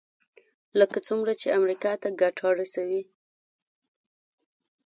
لکه څومره چې امریکا ته ګټه رسوي.